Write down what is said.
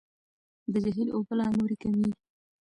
د جهیل اوبه لا نورې کمیږي.